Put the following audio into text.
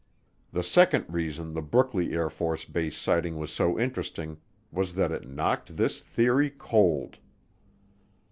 The second reason the Brookley AFB sighting was so interesting was that it knocked this theory cold.